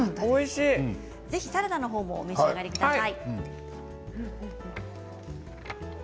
ぜひサラダの方もお召し上がりください。